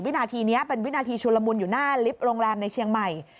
วินาทีนี้เป็นวินาทีชุลมุนอยู่หน้าลิฟต์โรงแรมในเชียงใหม่